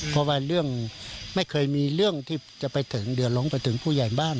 เพราะว่าเรื่องไม่เคยมีเรื่องที่จะไปถึงเดือดร้อนไปถึงผู้ใหญ่บ้าน